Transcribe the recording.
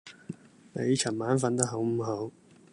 你尋晚訓得好唔好？